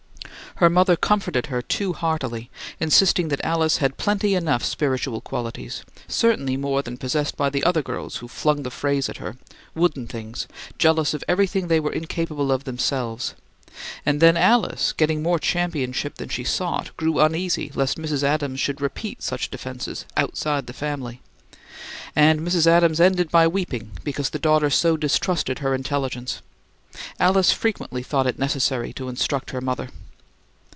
Her mother comforted her too heartily, insisting that Alice had "plenty enough spiritual qualities," certainly more than possessed by the other girls who flung the phrase at her, wooden things, jealous of everything they were incapable of themselves; and then Alice, getting more championship than she sought, grew uneasy lest Mrs. Adams should repeat such defenses "outside the family"; and Mrs. Adams ended by weeping because the daughter so distrusted her intelligence. Alice frequently thought it necessary to instruct her mother.